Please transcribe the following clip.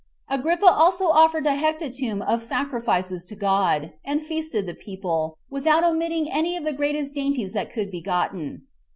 Agrippa also offered a hecatomb of sacrifices to God; and feasted the people, without omitting any of the greatest dainties that could be gotten.